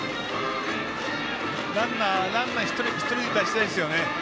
ランナー１人出したいですよね。